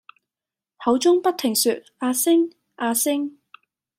口中不停說「阿星」「阿星」！